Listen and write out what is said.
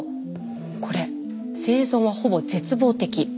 これ生存はほぼ絶望的。